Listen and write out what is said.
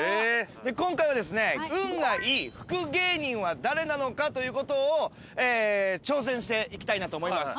今回はですね運がいい福芸人は誰なのかということを挑戦していきたいなと思います。